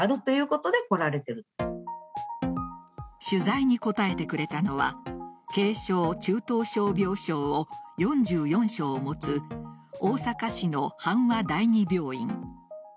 取材に答えてくれたのは軽症・中等症病床を４４床持つ大阪市の阪和第二病院。